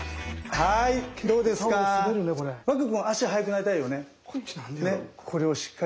はいどうですか？